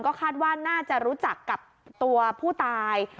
คาดว่าน่าจะรู้จักกับตัวผู้ตาย